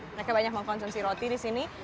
mereka banyak mengkonsumsi roti di sini